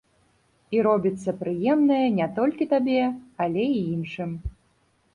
І робіцца прыемнае не толькі табе, але і іншым.